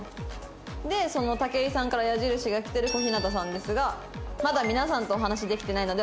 でその武井さんから矢印が来てる小日向さんですが「まだ皆さんとお話できてないのでわからないです」。